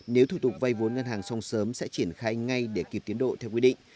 nếu thủ tục vay vốn ngân hàng xong sớm sẽ triển khai ngay để kịp tiến độ theo quy định